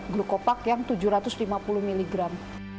glukopak yang tujuh ratus lima puluh miligram